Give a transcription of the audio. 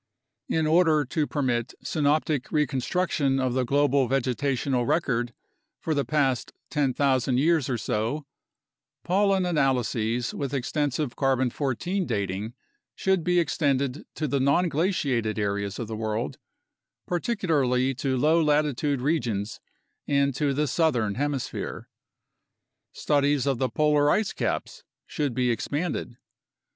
In order to permit synoptic reconstruc tion of the global vegetational record for the past 10,000 years or so, pollen analyses with extensive 14 C dating should be extended to the nonglaciated areas of the world, particularly to low latitude regions and to the southern hemisphere. Studies of the polar ice caps should be expanded.